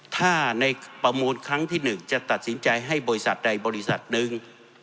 ถ้าในประมูลครั้งที่๑จะตัดสินใจให้บริษัทใดบริษัทหนึ่ง